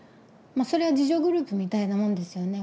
それは自助グループみたいなもんですよね。